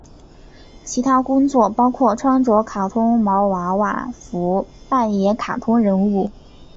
其他工作包括穿着卡通毛娃娃服扮演卡通人物。